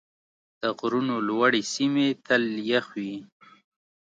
د غرونو لوړې سیمې تل یخ وي.